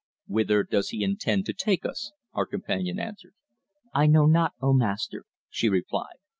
"Whither does he intend to take us?" our companion asked. "I know not, O Master," she replied.